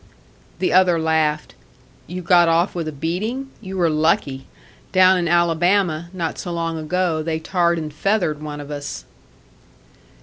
The other laughed. "You got off with a beating? You were lucky. Down in Alabama, not so long ago, they tarred and feathered one of us."